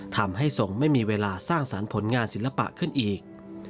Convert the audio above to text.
ทรงไม่มีเวลาสร้างสรรค์ผลงานศิลปะขึ้นอีก